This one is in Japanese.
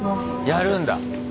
やるんだ。